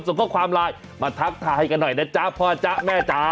ส่งข้อความไลน์มาทักทายกันหน่อยนะจ๊ะพ่อจ๊ะแม่จ๋า